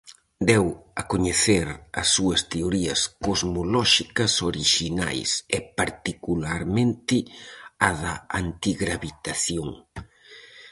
Deu a coñecer as súas teorías cosmolóxicas orixinais, e particularmente a da antigravitación.